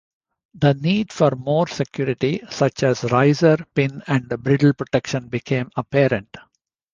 The need for more security, such as riser, pin, and bridle protection became apparent.